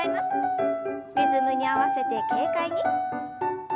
リズムに合わせて軽快に。